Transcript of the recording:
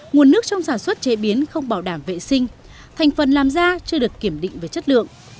nguồn nước trong sản xuất chế biến không bảo đảm vệ sinh thành phần làm ra chưa được kiểm định về chất lượng